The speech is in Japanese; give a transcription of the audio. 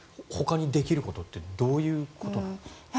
ほかにできることってどういうことが？